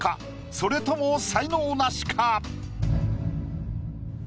それとも才能ナシか？